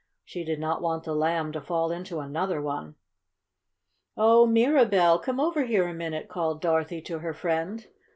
She did not want the Lamb to fall into another one. "Oh, Mirabell, come over here a minute!" called Dorothy to her friend.